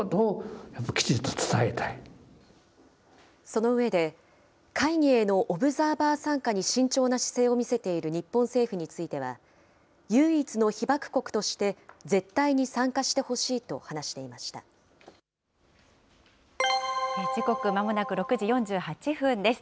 その上で、会議へのオブザーバー参加に慎重な姿勢を見せている日本政府については、唯一の被爆国として絶対に参加してほしいと話していまし時刻、まもなく６時４８分です。